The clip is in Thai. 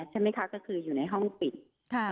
ใช่ไหมคะก็คืออยู่ในห้องปิด